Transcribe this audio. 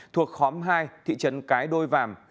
thuộc khóm hai thị trấn cái đôi